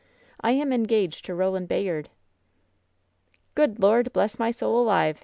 I am en gaged to Roland Bayard!" "Good Lord bless my soul alive !"